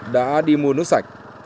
đã đi mua nước sạch